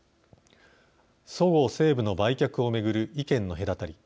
そごう・西武の売却を巡る意見の隔たり。